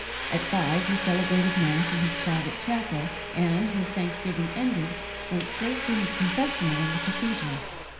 At five he celebrated Mass in his private chapel, and, his thanksgiving ended, went straight to his confessional in the cathedral.